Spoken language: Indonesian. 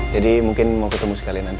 jadi mungkin mau ketemu sekali nanti